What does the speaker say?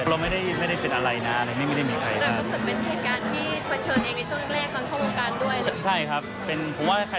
เราไม่ได้เป็นอะไรนะไม่ได้มีใคร